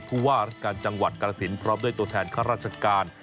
ผู้ว่าราชการจังหวัดกรสินพร้อมด้วยตัวแทนข้าราชการ